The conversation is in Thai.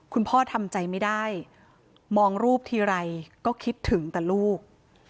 คุณพ่อทำใจไม่ได้มองรูปทีไรก็คิดถึงแต่ลูก